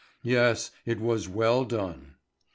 Yes, it was well done.